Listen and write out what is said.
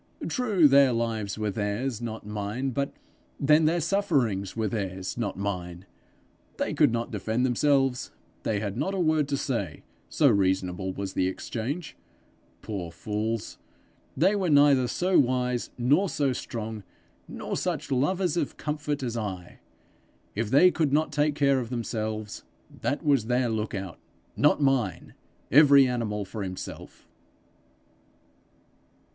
True, their lives were theirs, not mine; but then their sufferings were theirs, not mine! They could not defend themselves; they had not a word to say, so reasonable was the exchange. Poor fools! they were neither so wise, nor so strong, nor such lovers of comfort as I! If they could not take care of themselves, that was their look out, not mine! Every animal for himself!'